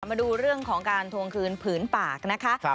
มาดูเรื่องของการทวงคืนผืนปากนะคะ